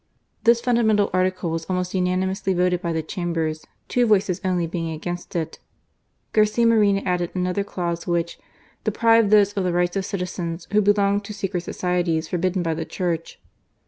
This fundamental article was almost unanimously voted by the Chambers, two voices only being against it. Garcia Moreno added another clause which " deprived those of the rights of citizens who belonged to secret societies forbidden by the Church."